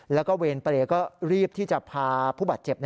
แล้วก็เวรเปรย์ก็รีบที่จะพาผู้บาดเจ็บ